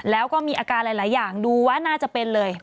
แล้วก็มีอาการหลายอย่างดูว่าน่าจะเป็นเลย